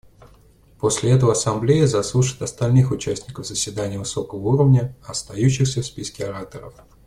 После этого Ассамблея заслушает остальных участников заседания высокого уровня, остающихся в списке ораторов.